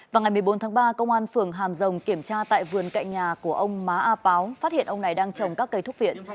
vào ngày một mươi bốn tháng ba công an phường hàm rồng kiểm tra tại vườn cạnh nhà của ông má a páo phát hiện ông này đang trồng các cây thúc viện